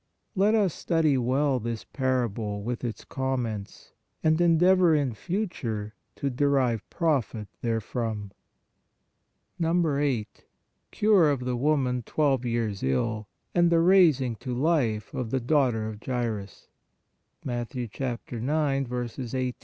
Let us study well this parable with its comments and endeavor in future to derive profit therefrom. 8. CURE OF THE WOMAN TWELVE YEARS ILL, AND THE RAISING TO LIFE OF THE DAUGHTER OF JAIRUS Mat.